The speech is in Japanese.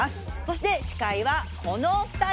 そして司会はこのお二人！